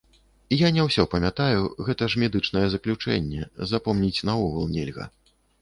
Я не ўсе памятаю, гэта ж медычнае заключэнне, запомніць наогул нельга.